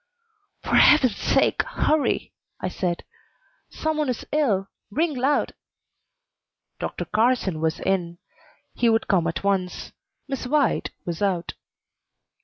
"For Heaven's sake, hurry!" I said. "Some one is ill. Ring loud!" Dr. Carson was in. He would come at once. Miss White was out.